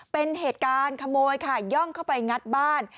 เป็นเหตุการณ์ขโมยค่ะย่องเข้าไปงัดบ้าน